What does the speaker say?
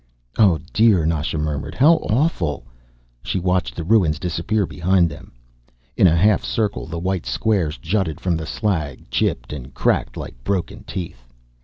"Oh, dear," Nasha murmured. "How awful." She watched the ruins disappear behind them. In a half circle the white squares jutted from the slag, chipped and cracked, like broken teeth.